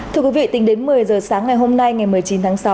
tính đến một mươi giờ sáng ngày hôm nay ngày một mươi chín tháng sáu